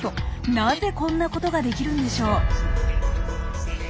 なぜこんなことができるんでしょう。